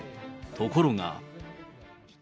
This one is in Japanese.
ところが。